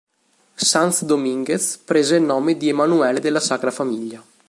Sanz Domínguez prese il nome di Emanuele della Sacra Famiglia.